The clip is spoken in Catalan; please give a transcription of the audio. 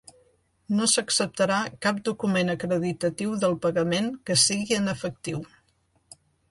No s'acceptarà cap document acreditatiu del pagament que sigui en efectiu.